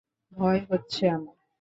ভয় হচ্ছে আমার।